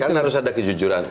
kan harus ada kejujuran